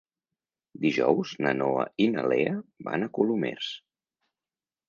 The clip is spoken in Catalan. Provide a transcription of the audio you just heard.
Dijous na Noa i na Lea van a Colomers.